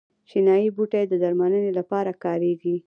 چینايي بوټي د درملنې لپاره کاریږي.